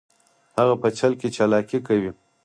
هغه په چل کې چلاکي کوي